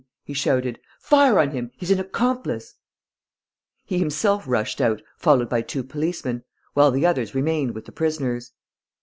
he shouted. "Fire on him! He's an accomplice!..." He himself rushed out, followed by two policemen, while the others remained with the prisoners.